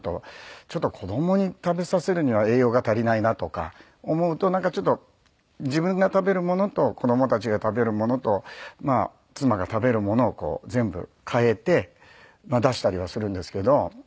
ちょっと子供に食べさせるには栄養が足りないなとか思うとなんかちょっと自分が食べるものと子供たちが食べるものと妻が食べるものを全部変えて出したりはするんですけど。